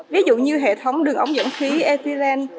ví dụ như hệ thống đường ống dẫn khí ethylen